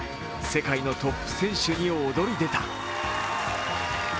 世界のトップ選手に躍り出た。